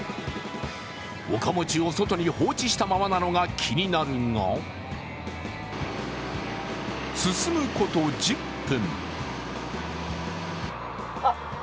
おかもちを外に放置したままなのが気になるが、進むこと１０分。